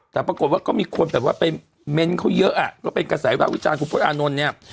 แต่ปรากฏว่าก็มีคนแบบว่าไปเม้นต์เขาเยอะอ่ะก็เป็นกระแสวิภาควิจารณคุณพลตอานนท์เนี่ย